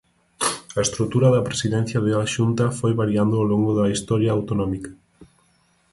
A estrutura da Presidencia da Xunta foi variando ao longo da historia autonómica.